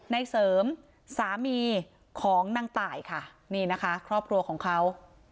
ในเสริมสามีของนางตายค่ะนี่นะคะครอบครัวของเขา